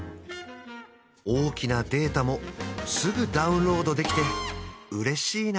大きなデータもすぐダウンロードできてうれしいな